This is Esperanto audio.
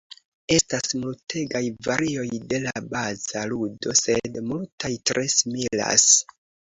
Estas multegaj varioj de la baza ludo, sed multaj tre similas.